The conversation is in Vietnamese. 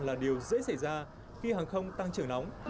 là điều dễ xảy ra khi hàng không tăng trưởng nóng